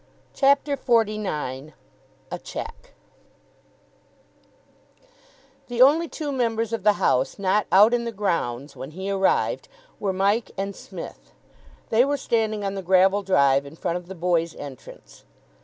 CHAPTER XLIX A CHECK The only two members of the house not out in the grounds when he arrived were Mike and Psmith. They were standing on the gravel drive in front of the boys' entrance.